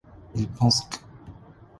Il pense qu'.